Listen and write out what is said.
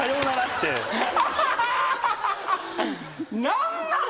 何なん？